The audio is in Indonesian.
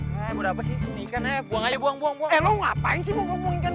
buang buang buang buang buang buang buang buang buang